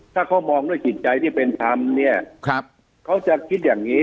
ถ้าเขามองด้วยจิตใจที่เป็นธรรมเนี่ยเขาจะคิดอย่างนี้